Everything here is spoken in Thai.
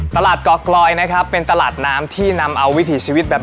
ตลาดก่อกลอยนะครับเป็นตลาดน้ำที่นำเอาวิถีชีวิตแบบ